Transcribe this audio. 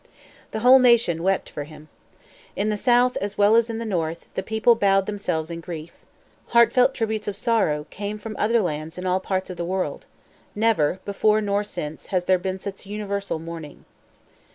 The whole nation wept for him. In the South as well as in the North, the people bowed themselves in grief. Heartfelt tributes of sorrow came from other lands in all parts of the world. Never, before nor since, has there been such universal mourning.